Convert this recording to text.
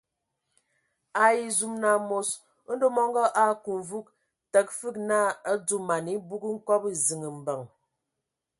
Ai zum amos Ndɔ mɔngɔ a aku mvug, təga fəg naa a dzo man ebug nkɔbɔ ziŋ mbəŋ.